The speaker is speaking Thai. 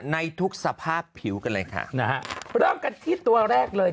ในทุกสภาพผิวกันเลยค่ะนะฮะเริ่มกันที่ตัวแรกเลย